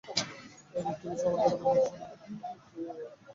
এক একটি বিষয় আমরা গৌরবের সহিত স্মরণ করিতে পারি।